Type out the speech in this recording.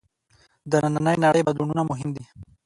د نننۍ نړۍ بدلونونه مهم دي.